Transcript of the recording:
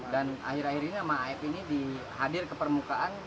dan akhir akhir ini sama af ini hadir ke permukaan